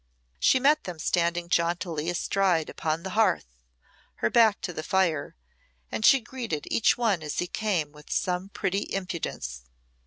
She met them standing jauntily astride upon the hearth, her back to the fire, and she greeted each one as he came with some pretty impudence.